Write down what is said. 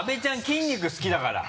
筋肉好きだから。